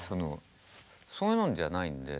そういうのじゃないんで。